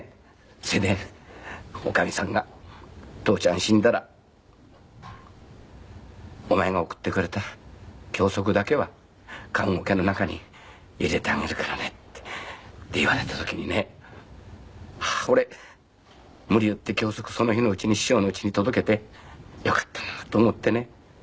それで女将さんが「父ちゃん死んだらお前が送ってくれた脇息だけは棺おけの中に入れてあげるからね」って言われた時にねああ俺無理言って脇息その日のうちに師匠の家に届けてよかったなと思ってね。